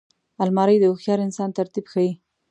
الماري د هوښیار انسان ترتیب ښيي